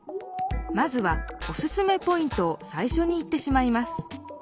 まずはおすすめポイントをさいしょに言ってしまいます